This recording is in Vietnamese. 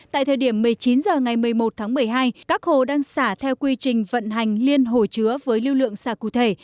tại thời điểm một mươi chín h ngày một mươi một tháng một mươi hai các hồ đang xả theo quy trình vận hành liên hồ chứa với lưu lượng xả cụ thể